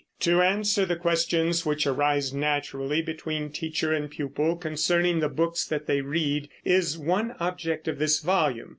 To answer the questions which arise naturally between teacher and pupil concerning the books that they read, is one object of this volume.